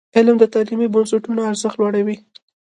علم د تعلیمي بنسټونو ارزښت لوړوي.